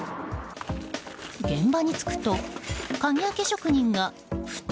現場に着くと鍵開け職人が、ふと。